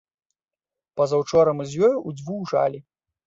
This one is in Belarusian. Пазаўчора мы з ёю ўдзвюх жалі.